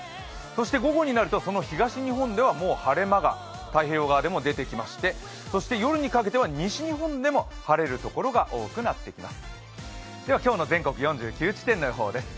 午後になると、その東日本ではもう晴れ間が、太平洋側で出てきまして、そして夜にかけては西日本でも晴れるところが多くなってきます。